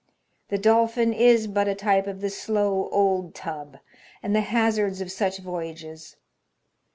The Dolphin is but a type of the slow old tub, and the hazards of such voyages.